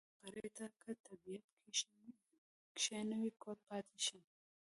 کور مقري ته کۀ طبيب کښېنوې کور پاتې شي